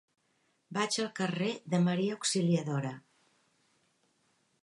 Vaig al carrer de Maria Auxiliadora.